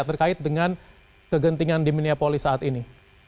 terkait dengan kegentingan di minneapoli saat ini